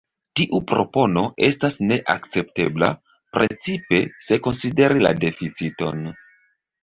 Tiu propono estas ne akceptebla, precipe se konsideri la deficiton.